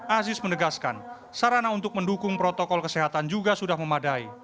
aziz menegaskan sarana untuk mendukung protokol kesehatan juga sudah memadai